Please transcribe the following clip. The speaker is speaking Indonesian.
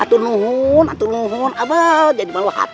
atau nunghun atau nunghun apa jadi baru hati